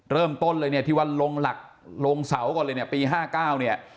เริ่มต้นเลยที่วันลงหลักลงเสาก่อนเลยปี๕๙